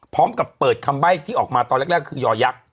พร้อมกับเปิดคำใบ้ที่ออกมาตอนแรกคือยอยักษ์